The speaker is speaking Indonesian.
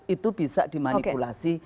itu bisa dimanipulasi